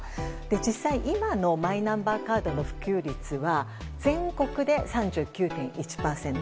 実際、今のマイナンバーカードの普及率は全国で３９．１％。